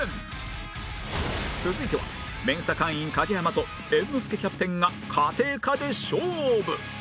続いては ＭＥＮＳＡ 会員影山と猿之助キャプテンが家庭科で勝負！